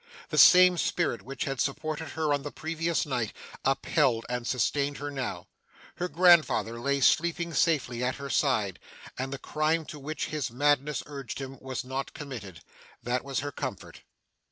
The same spirit which had supported her on the previous night, upheld and sustained her now. Her grandfather lay sleeping safely at her side, and the crime to which his madness urged him, was not committed. That was her comfort.